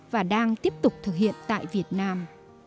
và đang tiếp tục thực hiện tại việt nam